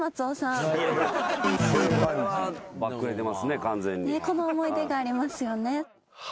この思い出がありますよね。